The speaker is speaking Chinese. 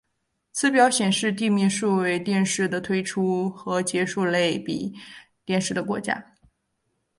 此表显示地面数位电视的推出和结束类比电视的国家。